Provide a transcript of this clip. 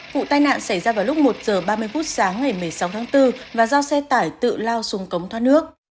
vụ tai nạn xảy ra vào lúc một h ba mươi phút sáng ngày một mươi sáu tháng bốn và do xe tải tự lao xuống cống thoát nước